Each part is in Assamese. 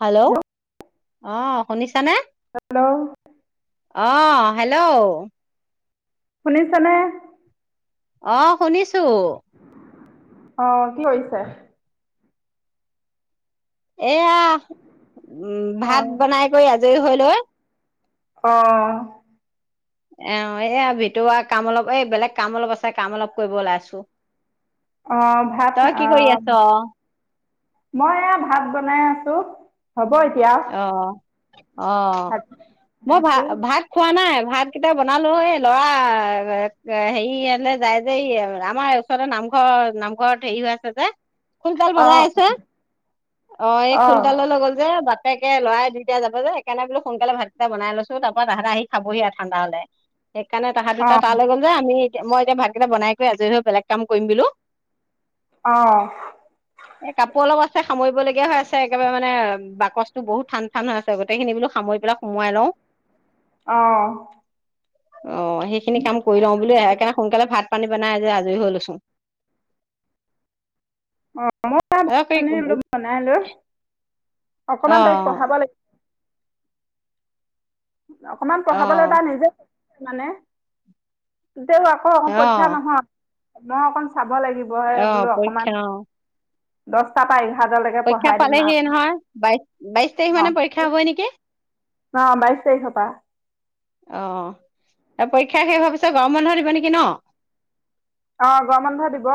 হেল্ল' অ শুনিছানে হেল্ল' অ হেল্ল' শুনিছানে অ শুনিছো। অ কি কৰিছে। এয়া উম অ ভাত বনাই কৰি আজৰি হৈ। ত ই। অ অ এয়া ভিতৰুৱা কাম অলপ এই বেলেগ কাম অলপ আছে কাম অলপ কৰিব ওলাইছো অঁ ভাত তই কি অ কৰি আছ মই এয়া ভাত বনাই আছো হ'ব এতিয়া অ অ ভাত বনাই মই ভা আছো ভাত খোৱা নাই ভাত কেইটা বনালো হয় ল'ৰা হেৰিয়ালে যায় যে এই আমাৰ ওচৰতে নামঘৰ নামঘৰত হেৰি হৈ আছে যে খোলতাল অ বজাই আছে অ এই খোলতাললৈ গ'ল যে [unintelligible] বাপেকে লৰাই দুইটাই যাব যে সেইকাৰণে বোলো সোনকালে ভাতকেইটা বনাই লৈছো তাৰপৰা তাহাঁতে আহি খাবহি আৰু ঠাণ্ডা হলে সেইকাৰণে তাহাঁত দুটা তালৈ গ'ল যে আমি মই এতিয়া ভাতকেইটা বনাই কৰি আজৰি হৈ বেলেগ কাম কৰিম বোলো অ এ কাপোৰ অলপ আছে সামৰিবলগীয়া হৈ আছে একেবাৰে মানে বাকচ টো বহুত ঠান ঠান হৈ আছে গোটেইখিনি বোলো সামৰি পেলাই সোমোৱাই লওঁ অঁ অ সেইখিনি কাম কৰি লওঁ বুলি [unintelligible] সেইকাৰণে সোনকালে ভাত পানী বনাই যে আজৰি হৈ লৈছো অ মই [unintelligible] ভাত অ পানী বনাই লৈ অ অকমান তাইক পঢ়াব লাগি- অকমান অ পঢ়াবলৈ তাই নিজে মানে তেও আকৌ [unintelligible] অ পৰীক্ষা নহয় [unintelligible] চাব লাগিব হে অ বোলো পৰীক্ষা অকমান অ দহটা পা [unintelligible] [unintelligible] লৈকে পৰীক্ষা পঢ়াই দিম পালেহিয়ে আৰু নহয় বাইশ বাইশ তাৰিখ মানে পৰীক্ষা হবই নেকি ন বাইশ তাৰিখ পৰা অ তাৰ পৰীক্ষা শেষ হোৱাৰ পিছত গৰম বন্ধ দিব নেকি ন আহ গৰ মানুহে দিব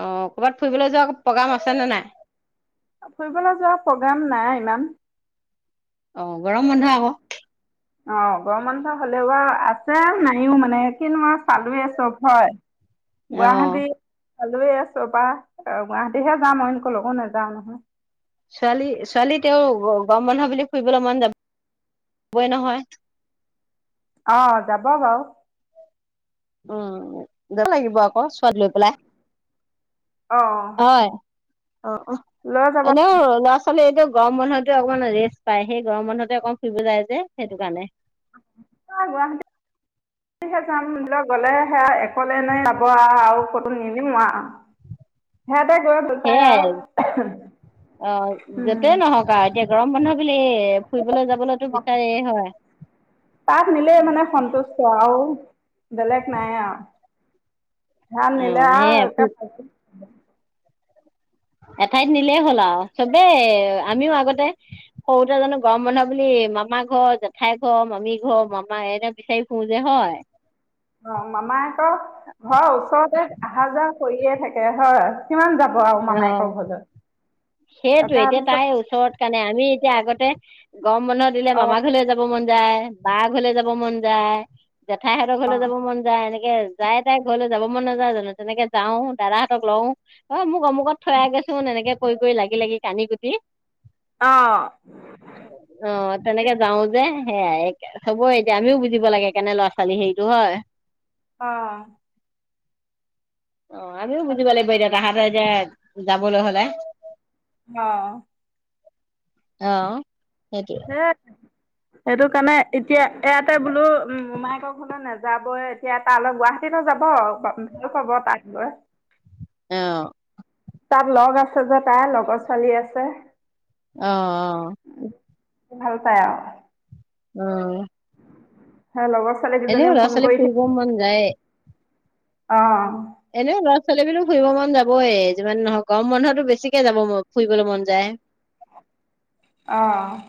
অ কৰ'বাত ফুৰিবলৈ যোৱা প্ৰগ্ৰাম আছে নে নাই ফুৰিবলৈ যোৱা প্ৰগ্ৰোম নাই ইমান অ গৰম বন্ধ আকৌ অ গৰম বন্ধ হলেও বাৰু আছে নাইও মানে কিিনো আৰু চালোৱে চব হয় অ গুৱাহাটী ওচৰৰ পৰা গুৱাহাটীহে যাম অই এনকো লগো নাযাও নহয়। ছোৱালী -ছোৱালী তেওঁ গম বন্ধ বুলি ফুৰিবলৈ মন যাবই নহয়। অ যাব বাৰু উম লাগিব আকৌ ছোৱালী লৈ পেলাই অ' হয় অ- অ লৈ যাব এনেও ল'ৰা ছোৱালী এইটো গৰম বন্ধো অকণমান ৰেষ্ট পাই সেই গৰম বন্ধতে অকণ ফুৰিব যায় যে সেইটো কাৰণে। গুৱাহাটী যাম লক গ'লে সেয়া অলে নাই যাব আৰু ফটো নিিলিম আৰু সিহঁতে। গৈ ভাল পায় আৰু সেইয়াই অ' যতেই উম নহওক আৰু এতিয়া গৰম বানধহৰ বুলি ফুৰিবলৈ যাবলৈতো বিচাৰ হয়। তাত নিলে মানে সন্তুষ্ট আৰু। বেলেগ আৰু নাই ধান অ নিলে আহ একে সেয়াই এঠাইত নিলেই হ'ল আৰু চবেই আমিও আগতে সৰুতে জানো গৰম বন্ধ বুলি মামা ঘৰ জেঠাইৰ ঘৰ মামী ঘৰ মামা এনে বিচাৰি ফু যে হয়। অ' মামা আকৌ ঘৰৰ ওচৰতে অহা যোৱা কৰিয়ে থাকে হয় কিমান যাব আৰু মামায়কৰ অ ঘৰলৈ। সেইটো এতিয়া তাৰপিছত তাই ওচৰত। কাৰণে আমি এতিয়া আগতে গৰম বন্ধ দিলে অঁ মামা ঘৰলৈ যাব মন। যায় বা ঘৰলে যাব মন যায়। জেঠাইহঁতৰ ঘৰলৈ অঁ যাব মন যায় এনেকে যায় তাই ঘৰলৈ যাব মন নাযায়। জানো তেনেকে যাও দাদাহঁতক লওঁ অ মোক অমুক ত থৈ আহে গে চোন মান এনেকে কৈ কৰি লাগি লাগি কানি কুটি। অঁ অ 'তেনেকে যাও যে। সেয়াই চব এতিয়া আমিও বুজিব লাগে কেনে ল'ৰা ছোৱালী হেৰিতটো হয়। অ' অ' আমিও বুজিব লাগিব তাহাতঁৰ এতিয়া যাবলৈ হ'লে। অ' অ ' হম। সেইটো কাৰণে এতিয়া ইয়াতে বোলো উ মোমায়েকৰ ঘৰ লৈ নাযাবই এতিয়া তালৈ গুৱাহাটীতো যাব ভাল পাব তাক লৈ অ' তাত লগ আছে যে তাই লগৰ ছোৱালী আছে। অ ' - অ ' ভাল পাই আৰু। উম। সেই লগৰ ছোৱালী এনেও কেইজনীও ফোন ল'ৰা-ছোৱালীৰ ফুৰিব মন যায়ে। অ'। এনেও ল'ৰা-ছোৱালী বিলো ফুৰিব মন যাবই যিমান নহয় গৰম বন্ধটো বেছিকে যাব ফুৰিবলৈ মন যায়। অ',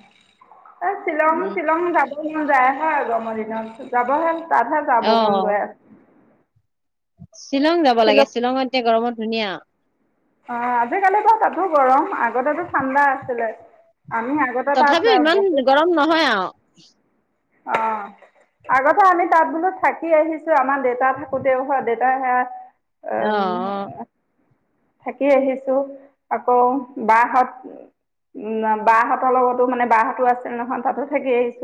এ শ্বিলং উম শ্বিলং যাব মন যায়। হে গৰমৰ দিনত যাব হে তাতহে যাব অ মন গৈ আছে। শ্বিলং যাব লাগে, শ্বিলং শ্বিলঙত এতিয়া গৰমত ধুনীয়া। অঁ আজিকালি বাৰু তাতো গৰম আগতেতো ঠাণ্ডা আছিলে আমি আগতে তাত তথাপিও ইমান গৰম নহয় আও। অ', আগতে আমি তাত বোলো থাকি আহিছো, আমাৰ দেতা থাকোতেও হয় দেউতাই সেয়া অ উম। থাকি আহিছো আকৌ বাহঁত বাহঁতৰ লগতো মানে বাহঁতো আছে নহয় তাতো থাকি আহিছ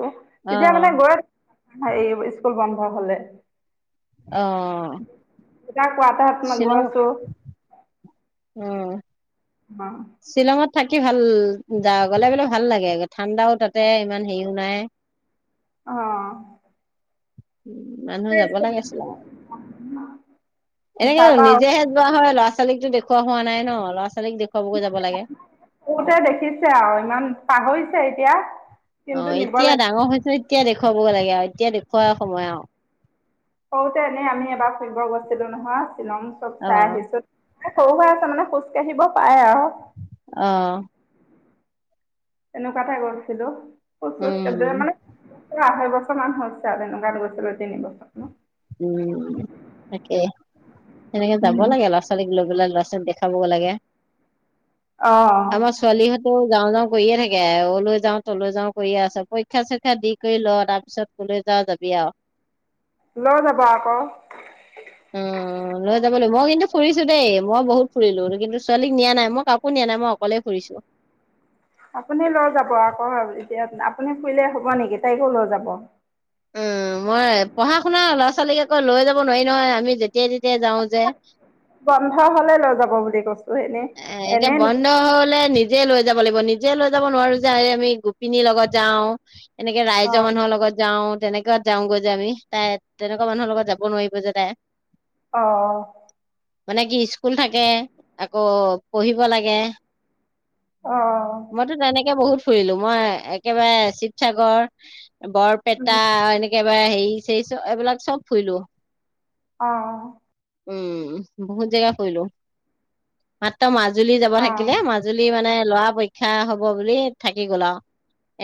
অ তেতিয়া মানে অ গৈ এই স্কুল বন্ধ হ'লে। অ'। তাৰ কোৱাৰ্টাৰত মান গৈ শ্বিলং আছো। উম। বাহ। শ্বিলঙত থাকি ভাল যা গ'লে বোলে ভাল লাগে, ঠাণ্ডাও তাতে ইমান হেৰিও নাই। অ'। উম, মানুহ যাব লাগিছিল আৰু এনেকে তাৰপা নিজেহে যোৱা হয় ল'ৰা-ছোৱালীকটো দেখ খোৱা হোৱা নাই ন' লআছ সৰুতে দেখিছে আৰু ইমান পাহৰিছে এতিয়া। কিন্তু অ', নিব এতিয়া লাগিব ডাঙৰ হৈছে এতিয়া দেখ খুৱাব লাগে আৰু এতিয়া দেখুুওৱা সময় আৰু। সৰুতে এনে আমি এবাৰ ফুৰিব গৈছিলো নহয়। শ্বিলং চব অ চাই আহিছোঁ। সৰু হৈ আছে মানে খোজ কাঢ়িব পাৰে আৰু। অহ। এনেকুৱাতেই গৈছিলো। খোজ চোজ হম। মানে আঢ়ৈ বছৰ মান হৈছে আৰু তেনেকুৱাত গৈছিলোঁ তিন বছৰ মান। উম, তাকে তেনেকে যাব লাগে ল'ৰা-ছোৱালীক লৈ পেলাই লৰা-ছোৱালীক দেখ খাবগৈ লাগে। অ আমাৰ ছোৱালীহঁতে তেওঁ যাওঁ যাওঁ কৰিয়ে থাকে ওলৈ যাও তলৈ যাও কৰিয়ে আছে পৰীক্ষা চৰীক্ষা দি কৰি ল তাৰ পিছত কলৈ যাও যাবি আৰু লৈ যাব আকৌ উ, লৈ যাব লাগিব, মই কিন্তু ফুৰিছো দেই মই বহুত ফুৰিলো কিন্তু ছোৱালীক নিয়া নাই মই কাকো নিয়া নাই মই অকলেই ফুৰিছো। আপুনি লৈ যাব আকৌ এতিয়া আপুনি ফুৰিলেই হ'ব নেকি তাইকো লৈ যাব। উম মই পঢ়া শুনা ল'ৰা ছোৱালীকে আকৌ লৈ যাব নোৱাৰি নহয় আমি তেতিয়া বন্ধ হলে লৈ যাব বুলি কৈছো। এতিয়া বন্ধ হলে নিজ নিজে লৈ যাব লাগিব, নিজে লৈ যাব নোৱাৰো যে আই আমি গোপিনীৰ লগত যাওঁ। এনেকে ৰাইজৰ অঁ মানুহৰ লগত যাওঁ। তেনেকোৱাত যাওঁগৈ যে আমি তাই তেনেকুৱা মানুহৰ লগত যাব নোৱাৰিব যে তাই অহ মানে কি স্কুল থাকে অহ পঢ়িব লাগে অঁ মইতো তেনেকে বহুত ফুৰিলো, মই একেবাৰে শিৱসাগৰ বৰপেটা এনেকেবা হেৰি খেইছৱ এইবিলাক চব ফুৰিলো অহ অহ উম, বহুত জেগা ফুৰিলোঁ। মাত্ৰ মাজুলী যাব অঁ থাকিলে, মাজুলী মানে লৰা পৰীক্ষা হব বুলি থাকি গল আৰু।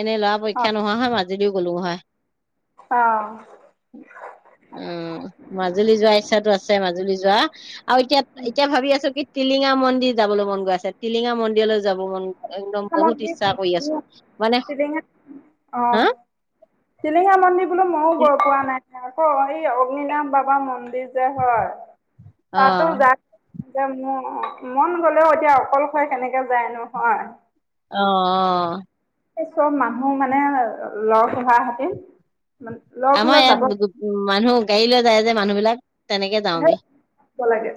এনেই লৰা পৰীক্ষা নোহোৱা হয় ভাল। যদিও গ'লো হয় অঁ অঁ উম, মাজুলী যোৱা ইচ্ছাতো আছে মাজুলী যোৱা আৰু এতিয়া এতিয়া ভাবি আছো কি তিলি টিলিঙা মন্দিৰ যাব মন গৈ আছে, টিলিঙা মন্দিৰলৈ যাব মন গ মানে হা টিলিঙা মন্দিৰ বোলো মইয়ো গৈ পোৱা নাই নহয় অ এই অগ্নীৰাম বাবা মন্দিৰ যে হয় অ তাতো যায় এতিয়া ম মন গলেও এতিয়া অকলশৱে কেনেকে যায় নো হয় অঁ অঁ এই চব মানুহ মানে লগ নোহোৱা হতি আমাৰ ইয়াত মানুহ গাড়ী লৈ যায় যে মানুহ বিলাক তেনেকে যাওঁ হে আমি। লাগে।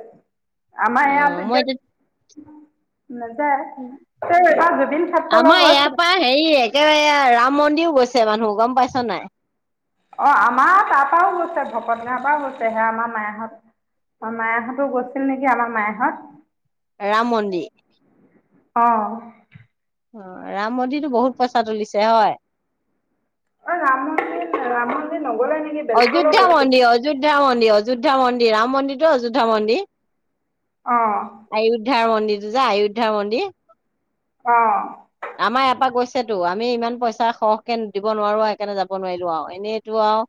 আমাৰ অ ইয়াত মই এতিয়া, নাযায়। তেওঁ এবাৰ জুবিন ক্ষেত্ৰলৈ গৈছিলে। এয়া ৰাম মন্দিৰো গৈছে মানুহ গম পাইছ নে নাই? অ'! আমাৰ তাৰ পৰাও গৈছে ভকত, গাঁৱৰ পৰাও গৈছে হেয়া আমাৰ মাইহঁত, মাইহঁতো গৈছিল নেকি, আমাৰ মাইহঁত। ৰাম মন্দিৰ? অ'! অ'! ৰাম মন্দিৰটো বহুত পইচা তুলিছে হয়? ও ৰাম মন্দিৰ, ৰাম মন্দিৰ নগ'লে নেকি বেলেগলৈ অযোধ্যা গৈছিল মন্দিৰ, অযোধ্যা মন্দিৰ, অযো অযোধ্যা মন্দিৰ, ৰাম মন্দিৰটো অযোধ্যা মন্দিৰ। অঁ আয়োধ্যা মন্দিৰ। এইটো যে, আয়োধ্যা মন্দিৰ। অ'! আমাৰ ইয়াৰপা গৈছেতো। আমি ইমান পইচা সৰহকে দিব নোৱাৰোঁ আৰু সেইকাৰণে, যাব নোৱাৰিলোঁ আৰু এনেইতো আৰু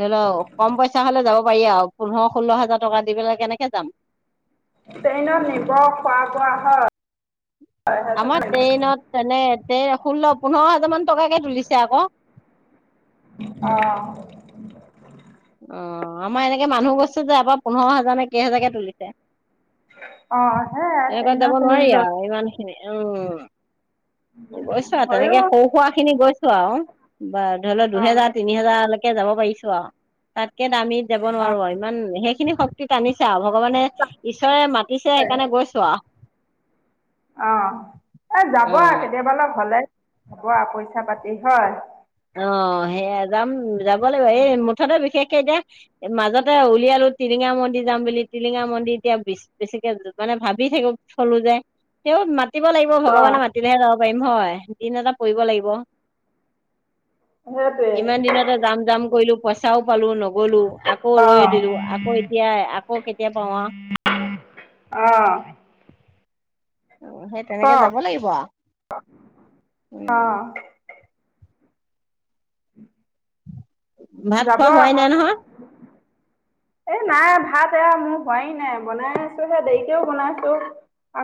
ধৰি ল' কম পইচা হ'লে যাব পাৰি আৰু পোন্ধৰ, ষোল্ল হাজাৰ টকা দি পেলাই কেনেকে যাম। ট্ৰেইনত নিব খোৱা বোৱা হয়। সেইটো আমাৰ কাৰণে ট্ৰেইনত তেনে তে ষোল্ল, পোন্ধৰ হাজাৰ মান টকাকে তুলিছে আকৌ। অঁ [unintelligible] অ'! আমাৰ এনেকে মানুহ গৈছে যে, ইয়াৰপৰা পোন্ধৰ হাজাৰ নে কেইহাজাৰকে তুলিছে। অ'! সেইয়াই ট্ৰেইনত তুলি লৈ অ'! গৈছোঁ আৰু হয়ো তেনেকে সৰু সুৰা খিনি গৈছোঁ আৰু বা ধৰি ল' অ দুহেজাৰ তিনি হেজাৰলৈকে তেতিয়া যাব পাৰিছোঁ আৰু। তাত একে দামিত যাব অ নোৱাৰোঁ আৰু ইমান শেষ সেইখিনি শক্তি টানিছে আৰু অলপ ভগৱানে ঈশ্বৰে মাতিছে সেইকাৰণে গৈছো আৰু। অ'! এ, যাব আৰু উম কেতিয়াবা অলপ হ'লে হ'ব পইচা পাতি হয়। অ সেয়া যাম যাব লাগিব। এই মুঠতে বিশেষকে এতিয়া মাজতে উলিয়ালো টিলিঙা মন্দিৰ যাম বুলি, টিলিঙা মন্দিৰ এতিয়া বেছিকে মানে ভাবি থকিব থলো যে তেওঁ মাতি লাগিব অ ভগৱানে মাতিলেহে যাব পাৰিম হয়। দিন এটা পৰিব লাগিব। সেইটোৱে ইমান দিনতে জাম জাম কৰিলোঁ বচাও পালো নগলো আকৌ অ ৰৈ দিলো আকৌ এতিয়া আকৌ কেতিয়া পাওঁ আ অ অ সেই তেনেকে কওক যাব লাগিব আৰু অ উম উম ভাত খোৱা হয়োৱাই নাই নহয় এ নাই ভাত এয়া মোৰ হোৱী নাই বনাই আছোহে দেৰিকেও বনাইছো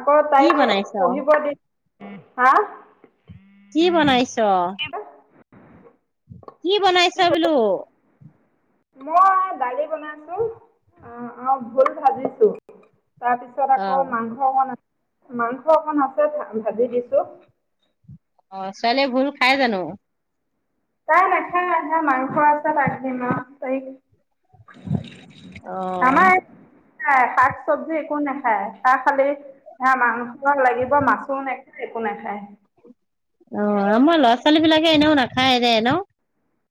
আকৌ কি তাই বনাইছ পঢ়িব দি হা কি বনাইছ উম কি বনাইছ কি ক বলো মই দালি বনাইছো আহ অ ভুল ভাজিছো তাৰ পিছত অ আকৌ মাংস বনাই মাংস অকণ আছে ভাজি দিছো অ ছোৱালীয়ে ভুল খাই জানো তাই ন খা হা মানসৰা আছ লাগলে ন ত আহ খ শাক চব্জি একো নাখায় তাহ খালি মাংসৰ লাগিব মাচোন নেখা একো নাখায় অ মই ল'ৰা ছোৱালী বিলাকে এনেও নাখায় দে এ ন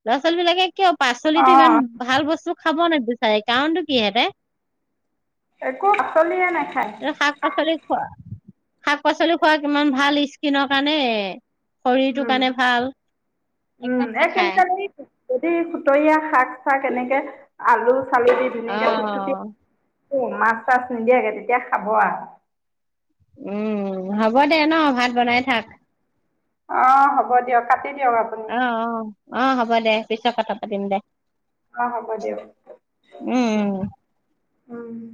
ল'ৰা ছোৱালী বিলাকে ক পাচলিিতো অঁ ইমান ভাল বস্তু খাব নিেদো চাৰে কাৰণটো কিহেঁতে একো আচলিয়ে নাই এ শাক পাচলি খোৱা শাক পাচলি খোৱা কিমান ভাল স্কিনৰ কাৰণে শৰীৰটো উম কাৰণে ভাল উম একদম এই নাখায় কিন্তু এই যদি সুতৰীয়া শাক চাক এনেকে আলু চালি দি ধুনীয়াকে চুু অ', অ' মাছ চাছ নিদিয়াকে তেতিয়া খাব আৰু। উম, হ'ব দে ন' ভাত বনাই থাক। অ হ'ব দিয়ক কাটি দিয়ক আপুনি অ, অ, অ হ'ব দে পিছত [unintelligible] পাতিম দে। অ হ'ব দিয়ক। উম, উম। উম।